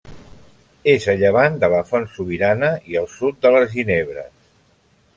És a llevant de la Font Sobirana i al sud de les Ginebres.